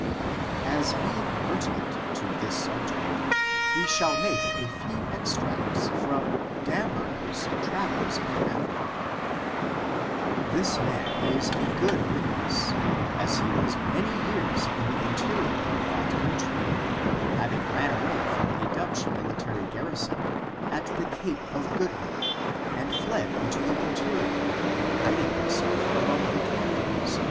As being pertinent to this subject, we shall make a 168 ORIGIN, CHARACTER| AND ' few extracts from Damberger's Travels in This man is a good witness, as he was many years in the interior of that country, having ran away from a Dutch military garrison, at the Cape of Good Hope, and fled into the interior, hiding himself among the Caflres.